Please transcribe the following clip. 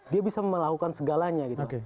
dia bisa melakukan segalanya gitu